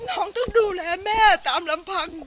ต้องดูแลแม่ตามลำพัง